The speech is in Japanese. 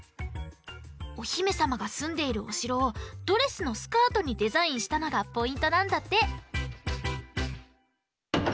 おひめさまがすんでいるおしろをドレスのスカートにデザインしたのがポイントなんだって。